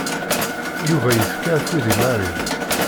Yuba yefka afud i Mary.